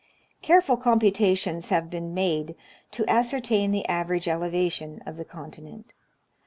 103 Careful computations have been made to ascertain the average elevation of the continent.